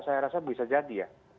saya rasa bisa jadi ya